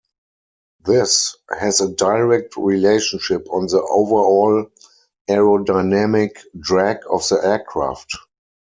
This has a direct relationship on the overall aerodynamic drag of the aircraft.